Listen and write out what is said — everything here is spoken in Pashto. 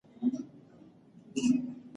هغه کس په لندن کې اوسېده.